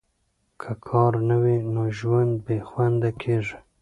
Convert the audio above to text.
که کار نه وي، نو ژوند بې خونده کیږي.